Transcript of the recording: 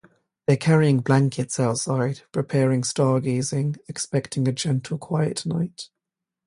They're carrying blankets outside, preparing stargazing, expecting a gentle quiet night.